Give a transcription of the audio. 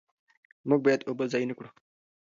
موږ باید اوبه ضایع نه کړو.